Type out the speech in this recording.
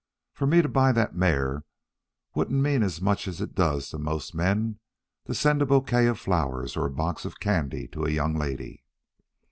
For me to buy that mare wouldn't mean as it does to most men to send a bouquet of flowers or a box of candy to a young lady.